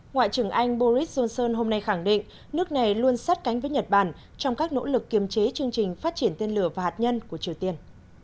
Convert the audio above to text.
ngoại trưởng anh boris johnson hôm nay khẳng định nước này luôn sát cánh với nhật bản trong các nỗ lực kiềm chế chương trình phát triển tên lửa và hạt nhân của triều tiên